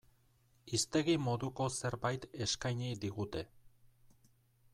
Hiztegi moduko zerbait eskaini digute.